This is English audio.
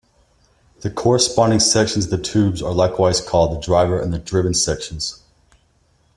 The corresponding sections of the tube are likewise called the driver and driven sections.